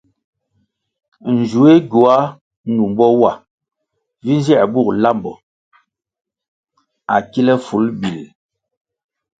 Nzuéh gywuah numbo wa vi nzier bug lambo á kile fil bil.